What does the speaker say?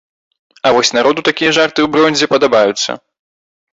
А вось народу такія жарты ў бронзе падабаюцца.